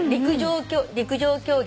陸上競技